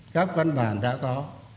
các văn bản đã có